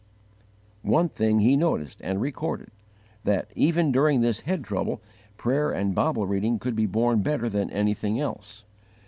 One thing he noticed and recorded: that, even during this head trouble, prayer and Bible reading could be borne better than anything else.